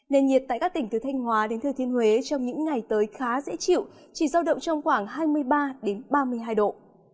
nên nhiệt tại các tỉnh từ thanh hóa đến thư thiên huế trong những ngày tới khá dễ chịu chỉ ra động trong khoảng hai mươi ba đến ba mươi hai độ